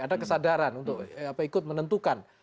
ada kesadaran untuk ikut menentukan